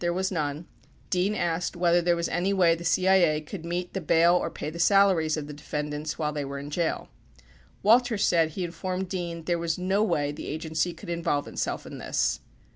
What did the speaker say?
39 plied there was none, Dean asked whether there was any way the CIA could meet the bail or pay the salaries of the defendants while they were in jail. Walters said he informed Dean there was no way the Agency could involve itself in this.